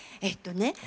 えっとね